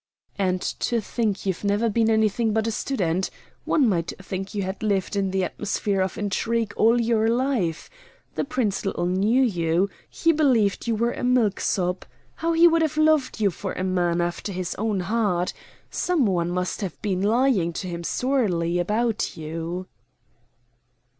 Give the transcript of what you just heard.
"And to think you've never been anything but a student. One might think you had lived in the atmosphere of intrigue all your life. The Prince little knew you. He believed you were a milksop. How he would have loved you for a man after his own heart. Some one must have been lying to him sorely about you."